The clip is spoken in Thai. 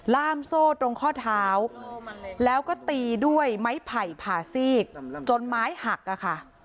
ล่ามโซ่ตรงข้อเท้าแล้วก็ตีด้วยไม้ไผ่ผ่าซีกจนไม้หักอะค่ะ